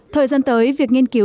thời gian tới